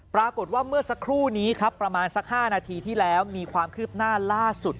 ปรากฏว่าเมื่อสักครู่นี้ครับประมาณสัก๕นาทีที่แล้วมีความคืบหน้าล่าสุด